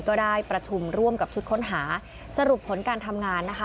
ก็ได้ประชุมร่วมกับชุดค้นหาสรุปผลการทำงานนะคะ